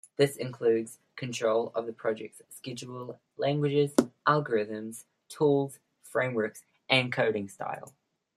This includes control of the project's schedule, languages, algorithms, tools, frameworks and coding style.